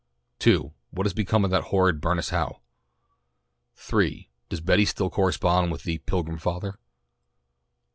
2 What has become of that horrid Bernice Howe? 3 Does Betty still correspond with the "Pilgrim Father?"